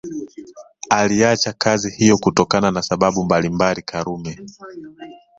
Aliacha kazi hiyo kutokana na sababu mbalimbali Karume